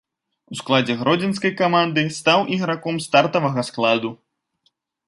У складзе гродзенскай каманды стаў іграком стартавага складу.